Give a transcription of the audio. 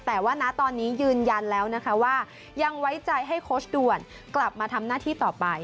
แต่ว่านะตอนนี้ยืนยันแล้วนะคะว่ายังไว้ใจให้โค้ชด่วนกลับมาทำหน้าที่ต่อไป